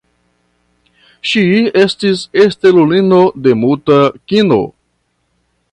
Ŝi estis stelulino de muta kino.